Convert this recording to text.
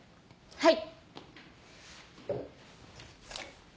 はい。